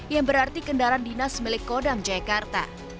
yang berarti kendaraan dinas milik kodam jakarta